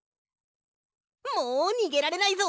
もうにげられないぞ！